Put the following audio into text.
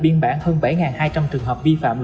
biên bản hơn bảy hai trăm linh trường hợp vi phạm